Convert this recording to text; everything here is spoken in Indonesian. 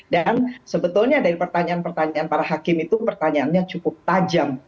dan sebetulnya dari pertanyaan pertanyaan para hakim itu pertanyaannya cukup tajam